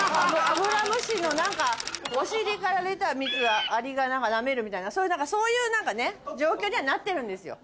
アブラムシの何かお尻から出た蜜をアリがなめるみたいなそういう状況にはなってるんですよ。